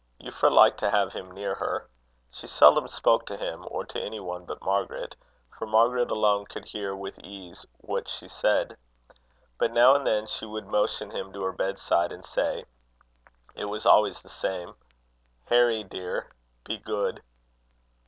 Euphra liked to have him near her. She seldom spoke to him, or to any one but Margaret, for Margaret alone could hear with ease what she said. But now and then she would motion him to her bedside, and say it was always the same "Harry, dear, be good."